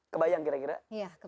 kebayang kira kira iya